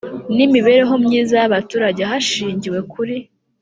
n imibereho myiza y abaturage hashingiwe kuri